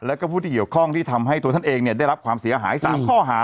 แล้วก็ผู้ที่เกี่ยวข้องที่ทำให้ตัวท่านเองได้รับความเสียหาย๓ข้อหา